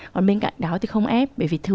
còn bên cạnh đó thì không ép